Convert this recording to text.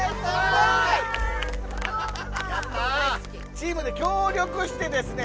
チームで協力してですね